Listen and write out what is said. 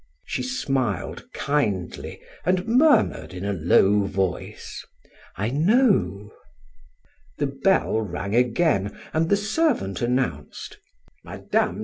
She smiled kindly and murmured in a low voice: "I know." The bell rang again and the servant announced: "Mme.